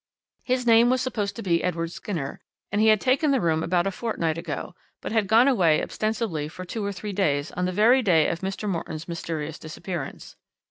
His name was supposed to be Edward Skinner, and he had taken the room about a fortnight ago, but had gone away ostensibly for two or three days on the very day of Mr. Morton's mysterious disappearance.